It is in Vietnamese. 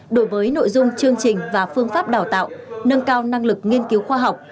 đổi mới nội dung chương trình và phương pháp đào tạo nâng cao năng lực nghiên cứu khoa học